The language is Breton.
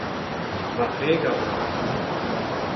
Marc'hegañ a ran.